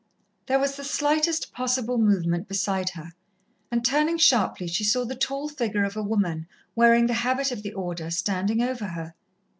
There was the slightest possible movement beside her, and turning sharply, she saw the tall figure of a woman wearing the habit of the Order, standing over her.